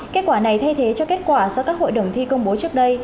kết quả này thay thế cho kết quả do các hội đồng thi công bố trước đây